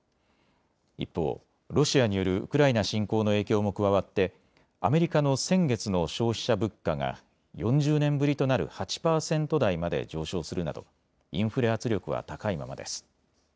一方、ロシアによるウクライナ侵攻の影響も加わってアメリカの先月の消費者物価が４０年ぶりとなる８％台まで上昇するなどインフレ圧力は高いままです。